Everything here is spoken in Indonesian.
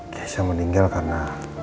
keisha meninggal karena